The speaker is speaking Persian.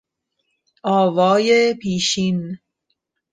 آوای پیشین